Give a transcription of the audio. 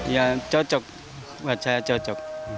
ya cocok buat saya cocok